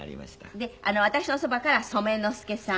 で私のそばから染之助さん。